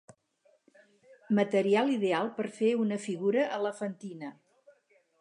Material ideal per fer una figura elefantina.